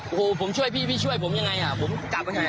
โอ้โหผมช่วยพี่พี่ช่วยผมยังไงผมกลับไปไหน